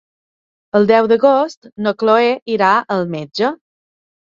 El deu d'agost na Cloè irà al metge.